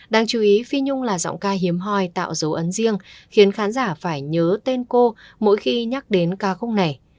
đáng chú ý phi nhung là giọng ca hiếm hoi tạo dấu ấn riêng khiến khán giả phải nhớ tên cô mỗi khi nhắc đến ca khúc này